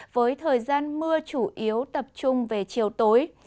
với thời gian mưa chủ yếu tập trung về chiều tối